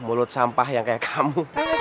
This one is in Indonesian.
mulut sampah yang kayak kamu